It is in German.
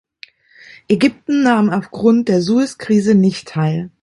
Ägypten nahm auf Grund der Sueskrise nicht teil.